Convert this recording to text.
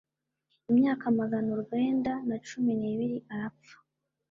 imyaka magana urwenda na cumi nibiri arapfa